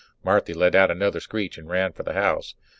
Marthy let out another screech and ran for the house.